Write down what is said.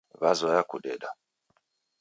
W'azoya kudeda